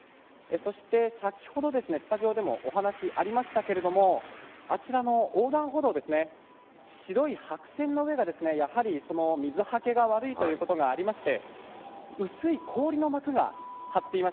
先ほどスタジオでもお話がありましたけれどあちらの横断歩道ですね白い白線の上が、やはり水はけが悪いということもあって薄い氷の膜が張っています。